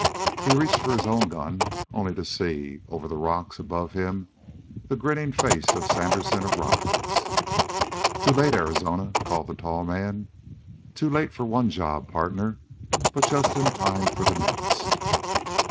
He reached for his own gun, only to see, over the rock above him, the grinning face of Sandersen arise. "Too late, Arizona," called the tall man. "Too late for one job, partner, but just in time for the next!"